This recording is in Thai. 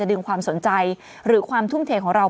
ดึงความสนใจหรือความทุ่มเทของเรา